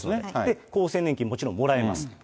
で、厚生年金もちろんもらえます。